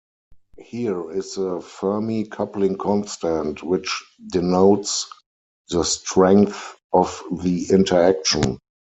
Here is the Fermi coupling constant, which denotes the strength of the interaction.